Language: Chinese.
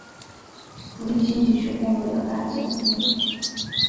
福利经济学共有两大基本定理。